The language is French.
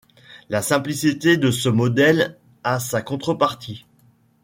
La simplicité de ce modèle a sa contrepartie.